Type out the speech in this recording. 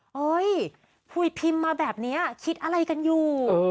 เฮ้ยคุยพิมพ์มาแบบนี้คิดอะไรกันอยู่